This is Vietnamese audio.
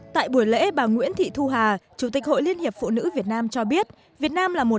tại buổi lễ bà nguyễn thị thu hà chủ tịch hội liên hiệp phụ nữ việt nam cho biết